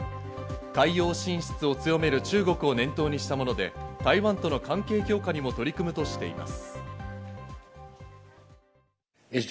海洋進出を強める中国を念頭にしたもので、台湾との関係強化にも取り組むとしています。